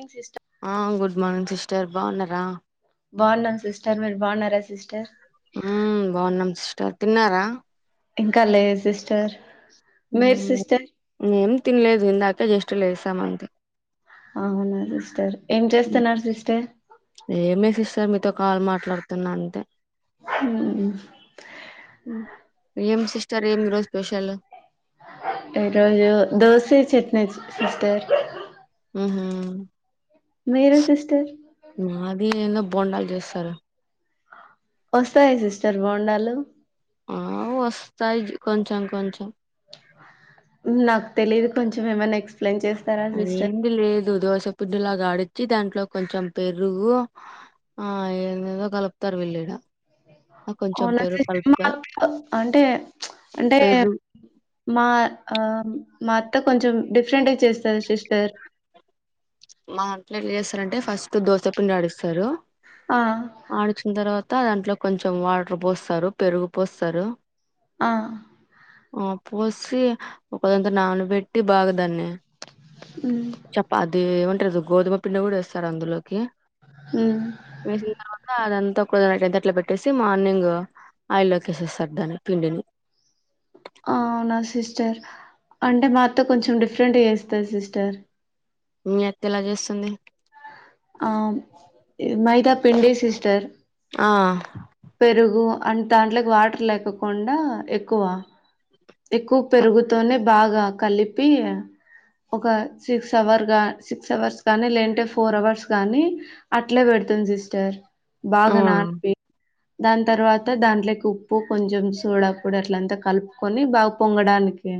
గి సిస్టమ్ ఆ good morning sister బాగున్నారా బాగున్నాం సిస్టర్ మీరు బాగున్నారా సిస్టర్ హ బాగున్నాం సిస్టర్ తిన్నారా ఇంకా లేదు సిస్టర్ మీరు ఉమ్, సిస్టర్ ఏం తినలేదు ఇందాకె జస్ట్ లేసాం అంతే అవునా సిస్టర్ ఏం చేస్తున్నారు సిస్టర్ ఏమ్లా సిస్తార్ మీతో కాల్ మాట్లాడుతున్నా అంతె ఉ ఏం సిస్టర్ ఏమి ఈ రోజు స్పెషల్ దోస చట్న సిస్టర్ హుహుమ్ మీరు సిస్టర్ నాది నిన్న బోండాలు చేస్తారు వస్తాయా సిస్టర్ బొండాలు ఆ వస్తాయి కొంచెం కొంచెం నాకు తెలియదు కొంచెం ఏమైనా ఎక్సప్లయిన్ చేస్తా అ ఏమి లేదు దోస పిండిలాగాడిచ్చి దాంట్లో కొంచెం పెరుగు ఆ ఏందేందో కలుపుతారు విల్లిడా అవునా అంటే అంటే పెరుగు మా మా అత్త కొంచెం డిఫరెంట్గా చేస్తారు సిస్టర్ మా ఇంట్లో ఎట్లా చేస్తారంటే ఫస్ట్ దోస పిండి ఆడిస్తారు ఆ అడిచ్చిన తర్వాత దాంట్లో కొంచెం వాటర్ పోస్తారు పెరుగు పోస్తారు ఆ ఆ పోసి ఒకదగ్గర నానబెట్టి బాగదాన్ని హమ్ అది ఏమంటారు గోధుమ పిండి కూడా వేస్తారు అందులోకి హ వేసిన తర్వాత అదంతా ఒకక్కడంతట్లా పెట్టేసి మార్నింగ్ ఆయిల్లోకిసేస్తారు దాని పిండిని అవునా సిస్టర్ అంటే మా అత్త కొంచెం డిఫరెంట్గా చేస్తాది సిస్టర్ మీ అత్త ఎలా చేస్తుంది మైదా పిండి సిస్టర్ ఆ పెరుగు అంట దాంట్లోకి వాటర్ లేకోకుండా ఎక్కువ ఎక్కువ చ- పెరుగుతోనే బాగా కలిపి ఒక సిక్స్ అవర్ సిక్స్ అవర్స్ గానీ లేంటే ఫోర్ అవర్స్ కానీ అట్లే పెడుతుంది సిస్టర్ ఆ బాగా నానిపి దాని తర్వాత దాంట్లోకి ఉప్పు కొంచెం సోడాపొడి అట్లంతా కలుపుకొని బాగా పొంగడానికి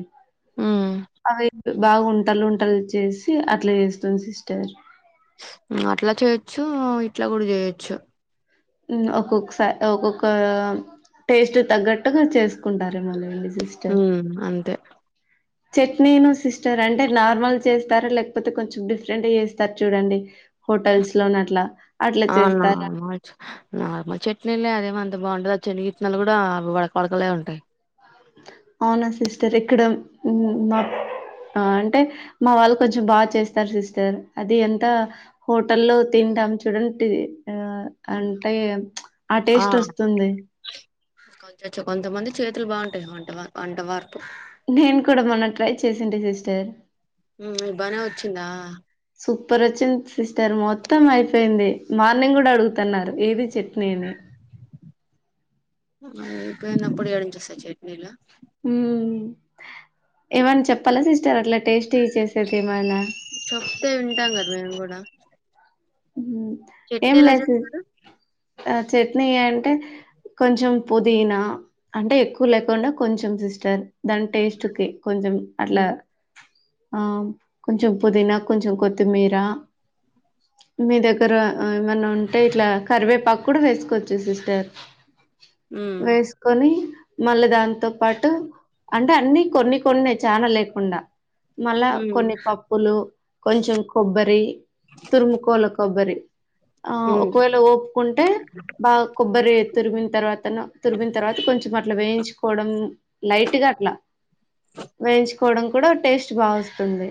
ఉమ్ అవి బాగా ఉంటాలుంటలు ఉంటాలుంటలు చేసి అట్లా చేస్తుంది సిస్టర్ అట్లా చేయొచ్చు ఇట్లా కూడా చేయొచ్చు ఒక్కొక్కసారి ఒక్కొక్క టేస్ట్ తగ్గట్టుగా చేసుకుంటారే మళ్ళీండి హ అంతే చట్నీను సిస్టర్ అంటే నార్మల్ చేస్తారు లేకపోతే కొంచెం డిఫరెంట్ చేస్తారు చూడండి హోటల్స్ లోని అట్లా అట్లా ఆ చేస్తారా నార్మల్ నార్మల్ చట్నీలే అదేమో అంత బాగుంటదు అ చెనగిత్తనాలు కూడా అవి వడక వడకలే ఉంటాయి. అవునా సిస్టర్ ఇక్కడ మా. ఆ అంటే మా వాళ్ళు కొంచెం బాగా చేస్తారు సిస్టర్ అది ఎంత. హోటల్లో తింటాం చూడండి ఆ అంటే. ఆ టేస్ట్ వస్తుంది. కొంచ కొంతమంది చేతులు బాగుంటాయి వంట వంట వరకు. నేను కూడా మొన్న ట్రై చేసిండే సిస్టర్. హ ఇ బనే వచ్చిందా సూపర్ వచ్చింది సిస్టర్ మొత్తం అయిపోయింది మార్నింగ్ కూడా అడుగుతున్నారు ఏది చట్నీని ఇప్పు ఎన్న పొడి అడుంచ సా చట్నీలో ఏమన్నా చెప్పాలా సిస్టర్ అట్లా టేస్ట్ ఇ చేేసేది ఏమైనా చెప్తే వింటాం కదా మేము కూడా చట్నీ ఏం ఎలా లేదు చేస్తారు ఆ చట్నీ అంటే కొంచం పుదీనా అంటే ఎక్కువ లేకుండా కొంచెం సిస్టర్ దాని టేస్ట్ కి కొంచెం అట్లా కొంచెం పుదీనా కొంచెం కొత్తిమీర మీ దగ్గర ఏమన్నా ఉంటే ఇట్లా కరివేపాకు కూడా వేసుకోవచ్చు సిస్టర్ ఉమ్ వేసుకొని మళ్ళీ దాంతో పాటు అంటే అన్ని కొన్ని కొన్ని చాన లేకుండా మళ్ళా ఉమ్ కొన్ని ప ఉప్పులు కొంచెం కొబ్బరి తురుముకోల కొబ్బరి ఆ ఉమ్ ఒకవేళ ఒఓపుకుంటే బాగా కొబ్బరి తురిగిన తర్వాత తురిగిన తర్వాత కొంచెం అట్లా వేయించుకోవడం లైట్గా అట్లా వేయించుకోవడం కూడా టేస్ట్ బాగా వస్తుంది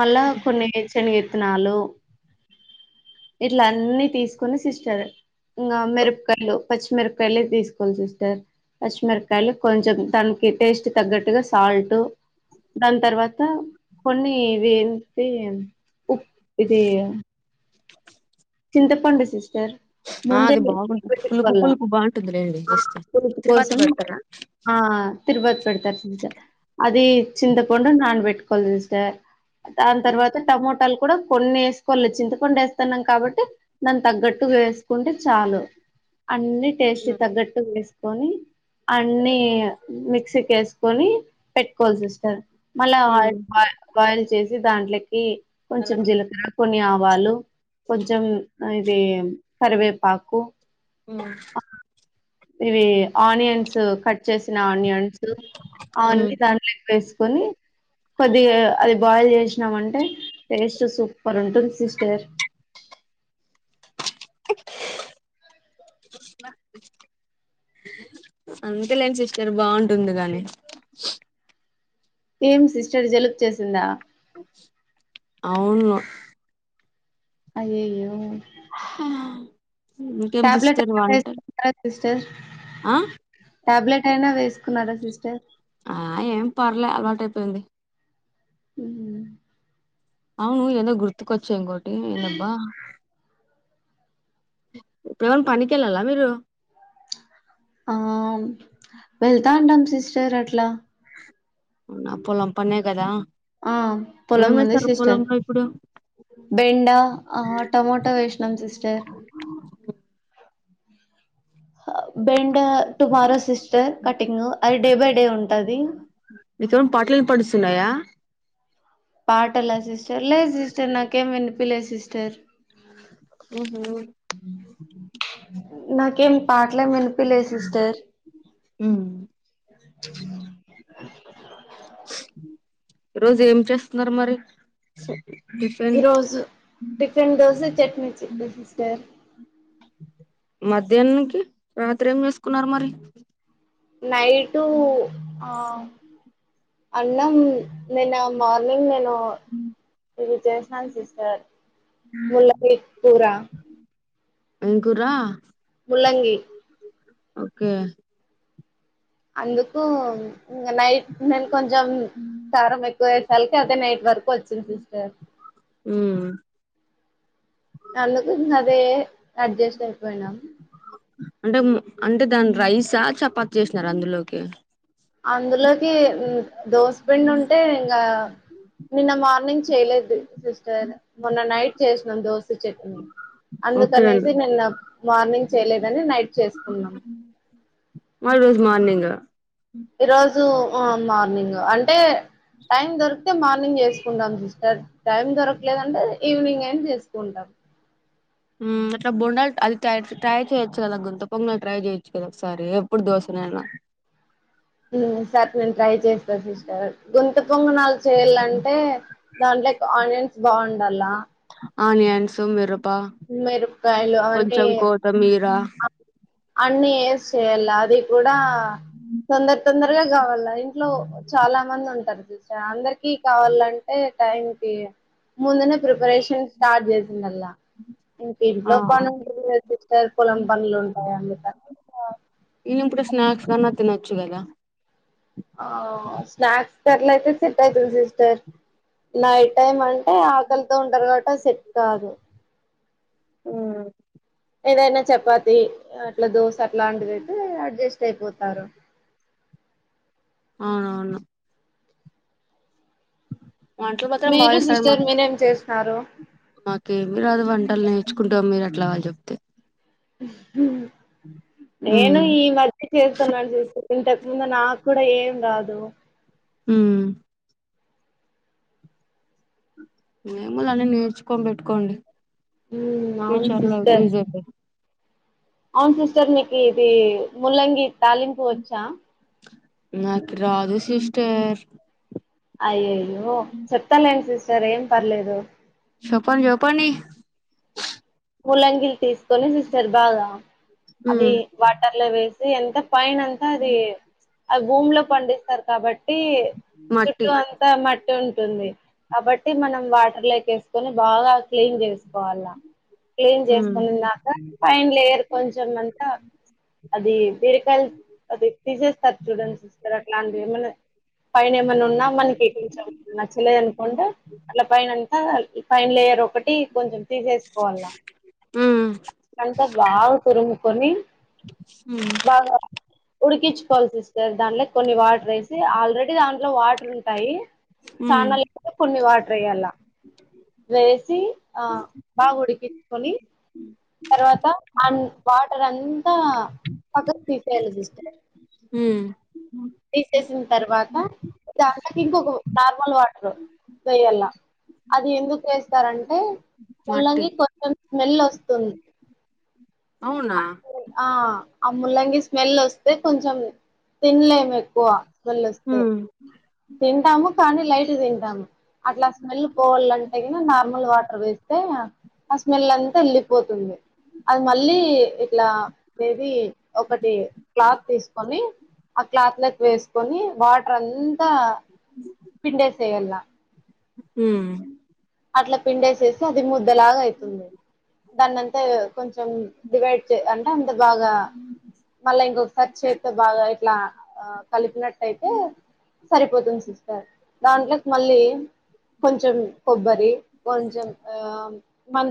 మళ్ళా కొన్ని శని విత్తనాలు ఇట్ల అన్ని తీసుకోని సిస్టర్ ఇంకా మిరపకాయలు పచ్చిమిరపయలు తీసుకోవాలి సిస్టర్ పచ్చిమిరకాయలు కొంచెం దానికి టేస్ట్ తగ్గట్టుగా సాల్ట్ దాని తర్వాత కొన్నివింటి ఉ ఇది చింతపండు సిస్టర్ ఆ ముందే అది బాగుంటుంది పులుపు పెట్టుకోవాల పులుపు బాగుంటుంది రండి ఆ వస్తే పులుపు తిరువాతి కోసం పెడతారా ఆ తిరుపతి పెడతారు అది చింతపండు నాన్న పెట్టుకోవాలి సిస్టర్ దాని తర్వాత టమోటాలు కూడా కొన్ని వేసుకోవి చింతపండు వేస్తున్నాం కాబట్టి దాని తగ్గట్టు వేసుకుంటే చాలు అన్ని టేస్ట్ ఉమ్ తగ్గట్టు వేసు కని అన్ని మిక్సీకి వేసుకొని పెట్టుకోవాలి సిస్టర్ మళ్ళా ఉమ్ ఆయిల్ ఆయిల్ చేసి దాంట్లోకి కొంచెం జీలకర కొన్ని ఆవాలు కొంచం ఇది కరివేపాకు ఉ ఇవి ఆనియన్స్ కట్ కట్ వచ్చేసిన ఆనియన్స్ ఉమ్ అవన్నీ దానిలో వేసుకొని కొద్దిగా అది బాయిల్ చేసినామం అంటే టేస్ట్ సూపర్ ఉంటుంది సిస్టర్ అంతేలేంది సిస్టర్ బావుంటుంది గాని ఏం సిస్టర్ జలుబ్ చేసిందా అవును అయ్యాయొ ఇంకేం ట్యాబ్లెటు సిస్టర్ ఏమైన వంటలు ఏసుకుంటరా సిస్టర్ ఆ టాబ్లెట్ అయినా వేసుకున్నారా సిస్టర్ ఆ ఏం పర్లే అలవాట్ అయిపోయింది అవును ఏందో గుర్తుకొచ్చె ఇంగోటి ఏందబ్బా ఇప్పుడేమన్న పనికేళ్ళాలా మీరు ఆ వెళ్తా అంటాం సిస్టర్ అట్లా మ్ నా పొలం పనే గదా ఆ పొలం ఏమేస్తారు పోలంలో ఇప్పుడు బెండా ఆ టొమోటొ వేషినం సిస్టర్ బెండా టుమారో సిస్టర్ కటింగు అది డే బై డే ఉంటది నికేమైన పాటలు ఇనపడిస్తున్నాయా పాటలా సిస్టర్ లేదు సిస్టర్ నాకేం వినిపియలేదు సిస్టర్ మ్ హు నాకేం పాటలేం వినిపియలేదు సిస్టర్ మ్ ఈరోజు ఏం చేస్తున్నారు మరి టిఫి ఈరోజు టికెన్ దోశ చట్ని సిస్టర్ మధ్యాహ్నంకి రాత్రి ఏం చేసుకున్నారు మరి నైటూ ఆ అన్నం నిన్న మార్నింగ్ నేనూ ఇది చేషను సిస్టర్ ముల్ల పొడి కూరా ఏం కురా ముల్లంగి ఓకే అందుకూ ఇంగ నైట్ నేను కొంచం కారం ఎక్కువ అయెసర్కి అదే నైట్ వరకు వచ్చింది సిస్టర్ మ్ అందుకు ఇంగ అదే అడ్జస్ట్ అయిపోయినం అంటె మ్ అంటె దాని రైసా చపాతి చేషినరా అందులోకి అందులోకి దోశ పిండి ఉంటే ఇంగా నిన్న మార్నింగ్ చేయలేదు సిస్టర్ మొన్న నైట్ చేసినం దోస్ ఉత్త చట్నీ ఓకే అండి అందుకనేసి నిన్న మార్నింగ్ చేయలేదని నైట్ చేసుకున్నాం మరోజు మార్నింగా ఈరోజు ఆ మార్నింగు అంటే టైం దొరికితే మార్నింగ్ చేసుకుంటాం సిస్టర్ టైం దొరకలేదంటే ఈవినింగ్ అయిన చేసుకుంటాం మ్ అట్ల బొండాలు అది ట్రైట్ ట్రై చేయోచ్చు కదా గుంతపొంగల్ ట్రై చేయొచ్చు కదా ఒకసారి ఎప్పుడు దోశనేన మ్ ఈ సర్ నేను ట్రై చేస్తా సిస్టర్ గుంత పొంగనాలు చేయలంటే దాంట్లకి ఆనియన్స్ బావుండాలా ఆనియన్స్ మిరుప మీరపకాయలు అవన్నీ సమీరా అన్ని వేసి చేయాలి అది కూడా తొందర తొందరగా కావాలి ఇంట్లో చాలా మంది ఉంటారు చూస అందరికి కావాలంటే టైంకి ముందునే ప్రిపరేషన్ స్టార్ట్ చేసిండ అల్లా ఇంక ఆ ఇంట్లో పని ఉంటది కదా సిస్టర్ పొలం పనులు ఉంటాయి అందుకానీ ఇవి ఇప్పుడు స్నాక్ గిన తిన్నచ్చుకదా హు స్నాక్ కి అట్లయితే సెట్ అవుతది సిస్టర్ నైట్ టైమ్ అంటే ఆకలితో ఉంటారు కాబట్టి సెట్ కాదు హమ్ ఏదైనా చపాతి అట్లా దోశ అట్లాంటిదియితే అడ్జస్ట్ అయిపోతారు అవునవును వంటలు మాత్రం బాగా మీరు చేస్తారు మా సిస్టర్ మీనే ఏం చేస్తున్నారు మాకేమి రాదు వంటలు నేర్చుకుంటం మీరు అట్లా చెప్ మ్మ్ నేను ఈ మ చేస్తున్నాను చూస్త ఇంతకుముందు నాకు కూడా ఏం రాదు హమ్ ఏముంది అన్ని నేర్చుకోని పెట్టుకోండి ఉమ్ అవును ఫ్యూచర్ లో విజ అవున్ సిస్టర్ మీకు ఇది ముల్లంగి తాలింపు వచ్చా నాకు రాదు సిస్టర్ అయ్యయ్యో చెప్తాలేండి సిస్టర్ ఏం పర్లేదు చెప్పడ్ చెప్పండి ములంగిలు తీసుకొని సిస్టర్ బాగా అది మ్మ్ వాటర్ లో వేసి ఎంత పైన అది అది భూమిలో పండిస్తారు కాబట్టి మట్టి చుట్టూ అంత అంత మట్టి ఉంటుంది కాబట్టి మనం వాటర్ లోకి వేసుకొని బాగా క్లీన్ చేసుకోవాల క్లీన్ మ్మ్ చేసుకుని నాక ఫైన్ లేయర్ కొంచం అంతా అది బీరకాయలు అది తీసేస్తారు చూడండి సిస్టర్ అట్లాంటివి ఏమన్నా పైన ఏమైన్నా ఉన్నా మనకి కొంచెం నచ్చలేదు అనుకుంటే అట్లా పైన అంత పైన లేయర్ ఒకటి కొంచెం తీసేసుకోవాల ఉమ్ అంతా బాగా తురుముకొని హు బాగా ఉడికించుకోవాలి సిస్టర్ దాంట్లో కొన్ని వాటర్ వేసి ఆల్రెడీ దాంట్లో వాటర్ ఉంటాయి ఉమ్ చానా లేకపోతే కొన్ని వాటర్ వేయ్యాల వేసి ఆ బాగా ఉడికించుకొని హ తర్వాత అ వాటర్ అంతా పక్కకీ తీసేయాలి సిస్టర్ హ తీసేసిన తర్వాత దాకి ఇంకొక నార్మల్ వాటర్ వేయ్యలా అది ఎందుకు చేస్తారంటే వట్టి ముల్లంగి కొంచెం స్మెల్ వస్తుంది అవునా ఆ ఆ ముల్లంగి స్మెల్ వస్తే కొంచెం తిన్లేము తక్కువ స్మెల్ వస్తే తింటాము కానీ లైట్ తింటాము అట్లా స్మెల్ పోవాలంటే కిన నార్మల్ వాటర్ వేస్తే ఆ స్మెల్ అంతా ఎళ్లిపోతుంది అది మళ్ళీ ఇట్లా ఏది ఒకటి క్లాత్ తీసుకొని ఆ క్లాత్ లోక్ వేసుకొని వాటర్ త పిండేసెయ్యలా హ్మ్ అట్ల పిండేసేసి అది ముద్దలాగైతుంది దాన్నంతా కొంచెం డివైడ్ చే అంత బాగా మళ్ళా ఇంకొక సార్ చేత్తో బాగా ఇట్లా ఆ కలిపినట్టయితే సరిపోతుంది సిస్టర్ దాంట్లోకి మళ్ళీ కొంచెం కొబ్బరి కొంచం ఆ మంద